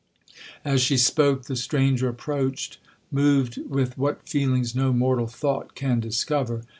'As she spoke, the stranger approached, moved with what feelings no mortal thought can discover.